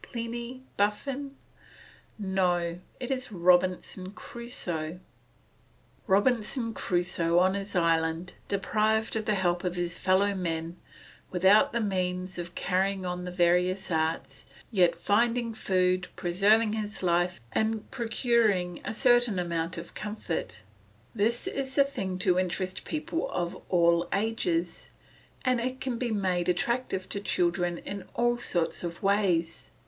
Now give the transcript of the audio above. Pliny? Buffon? No; it is Robinson Crusoe. Robinson Crusoe on his island, deprived of the help of his fellow men, without the means of carrying on the various arts, yet finding food, preserving his life, and procuring a certain amount of comfort; this is the thing to interest people of all ages, and it can be made attractive to children in all sorts of ways.